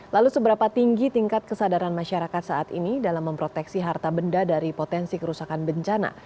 lalu seberapa tinggi tingkat kesadaran masyarakat saat ini dalam memproteksi harta benda dari potensi kerusakan bencana